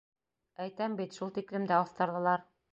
— Әйтәм бит, шул тиклем дә оҫтарҙылар.